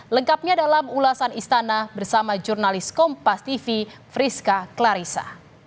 lengkapnya dalam ulasan istana bersama jurnalis kompas tv friska clarissa